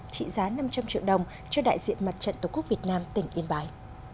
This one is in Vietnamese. trị giá năm trăm linh triệu đồng cho đại diện mặt trận tổ quốc việt nam tỉnh yên bái